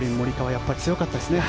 やっぱり強かったですね。